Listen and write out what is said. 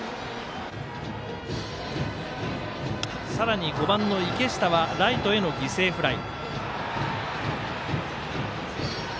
さらに５番の池下はライトへの犠牲フライ。